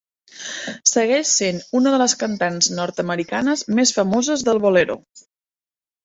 Segueix sent una de les cantants nord-americanes més famoses del Bolero.